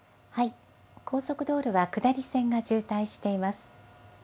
高速道路は下り線が渋滞しています。